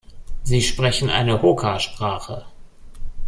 Sie sprechen eine Hoka-Sprache.